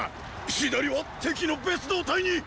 左は敵の別働隊にっ！